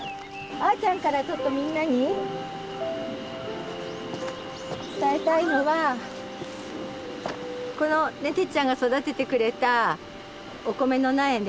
あーちゃんからちょっとみんなに伝えたいのはこのてっちゃんが育ててくれたお米の苗ね。